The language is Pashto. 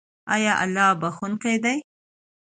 آیا الله بخښونکی دی؟